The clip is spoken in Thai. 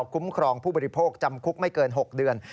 คุ้มครองผู้บริโภคจำคุกไม่เกิน๖เดือน